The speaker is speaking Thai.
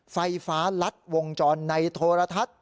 ไฟฟ้ารัดวงจรในโทรทัศน์